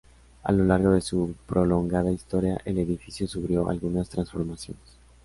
A lo largo de su prolongada historia el edificio sufrió algunas transformaciones.